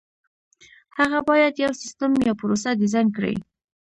هغه باید یو سیسټم یا پروسه ډیزاین کړي.